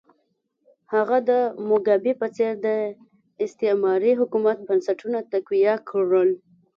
هغه د موګابي په څېر د استعماري حکومت بنسټونه تقویه کړل.